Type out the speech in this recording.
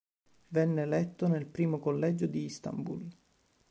Venne eletto nel primo collegio di Istanbul.